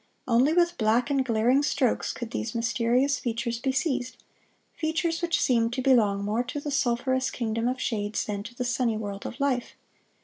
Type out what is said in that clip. Only with black and glaring strokes could those mysterious features be seized, features which seemed to belong more to the sulphurous kingdom of shades than to the sunny world of life.